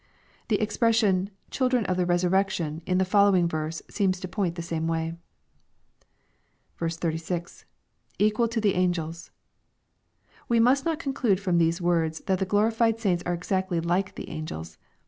The expression, " children of the resurrection," in the following verse, seems to point the same way. 56. — [Equal to the angels.] We must not conclude from these words that the glorified saints are exactly like the angels.